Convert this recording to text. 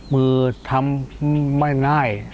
มือทำไม่ได้